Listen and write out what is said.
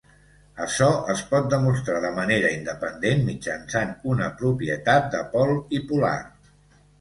Açò es pot demostrar de manera independent mitjançant una propietat de pol i polar.